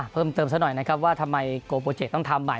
เพิ่มเติมซะหน่อยนะครับว่าทำไมโกโปรเจคต้องทำใหม่